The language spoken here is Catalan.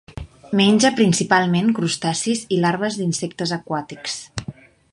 Menja principalment crustacis i larves d'insectes aquàtics.